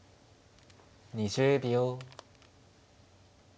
２０秒。